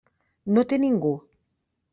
No té ningú.